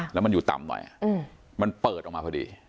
แล้วมันอยู่ต่ำหน่อยมันเปิดออกมาพอดี